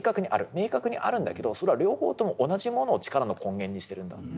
明確にあるんだけどそれは両方とも同じものを力の根源にしてるんだと。